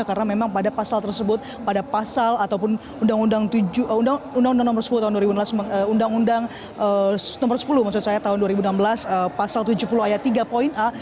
karena memang pada pasal tersebut pada pasal ataupun undang undang no sepuluh tahun dua ribu enam belas pasal tujuh puluh ayat tiga poin a